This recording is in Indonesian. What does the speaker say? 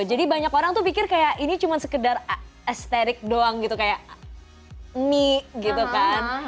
jadi banyak orang tuh pikir kayak ini cuma sekedar estetik doang gitu kayak mie gitu kan